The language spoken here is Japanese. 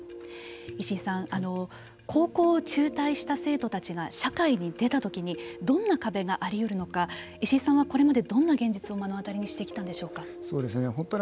石井さん、高校を中退した生徒たちが社会に出たときにどんな壁があり得るのか石井さんはこれまでどんな現実を目の当たりにしてきたんでしょうか。